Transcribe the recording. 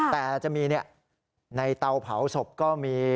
แต่จะมีในเตาเผาศพก็มี